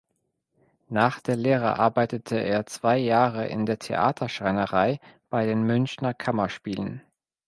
Nach der Lehre arbeitete er zwei Jahre in der Theaterschreinerei bei den Münchner Kammerspielen.